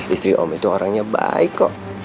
istri om itu orangnya baik kok